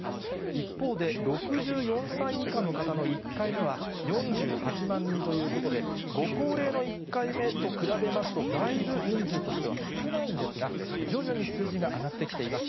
一方で、６４歳以下の方の１回目は４８万人ということで、ご高齢の１回目と比べますと、だいぶ人数としては少ないんですが、徐々に数字が上がってきています。